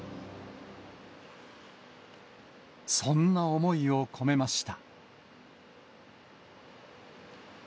そんな思いを込めました。